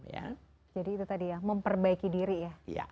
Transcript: jadi itu tadi ya memperbaiki diri ya